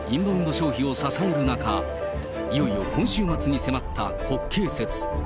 消費を支える中、いよいよ今週末に迫った国慶節。